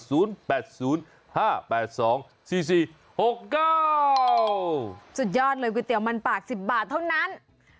สุดยอดเลยก๋วยเตี๋ยวมันปาก๑๐บาทเท่านั้น